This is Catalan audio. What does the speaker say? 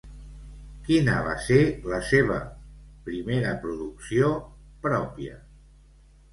Quina va ser la seva primera producció pròpia?